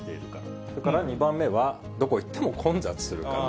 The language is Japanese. それから２番目は、どこ行っても混雑するから。